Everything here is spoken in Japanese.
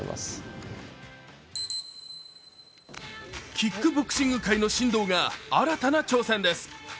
キックボクシング界の神童が新たな挑戦です。